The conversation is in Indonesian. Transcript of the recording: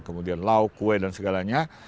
kemudian lauk kue dan segalanya